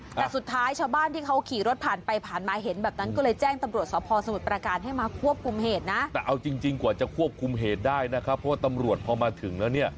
แต่สุดท้ายชาวบ้านที่เขาขี่รถผ่านไปผ่านมาเห็นแบบนั้น